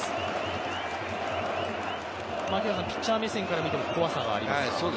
ピッチャー目線からも怖さがありましたか？